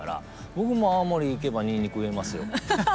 僕も青森行けばにんにく植えますよ。